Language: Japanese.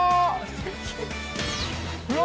うわ！